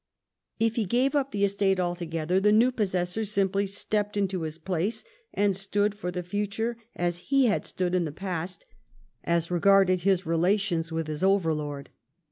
If he gave up the estate altogether the new possessor simply stepped into his place, and stood for the future as he had stood in the past as regarded his relations with his overlord.